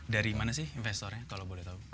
dari mana sih investornya kalau boleh tahu